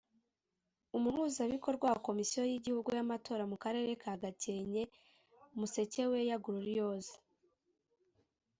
Umuhuzabikorwa wa komisiyo y’igihugu y’amatora mu karere ka Gakenke Musekeweya Gloriose